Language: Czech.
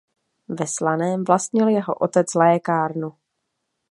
Ve Slaném vlastnil jeho otec lékárnu.